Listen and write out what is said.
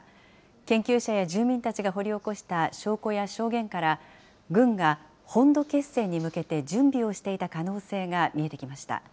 研究者や住民たちが掘り起こした証拠や証言から、軍が本土決戦に向けて準備をしていた可能性が見えてきました。